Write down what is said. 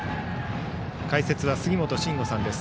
解説は杉本真吾さんです。